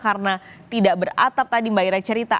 karena tidak beratap tadi mbak ira cerita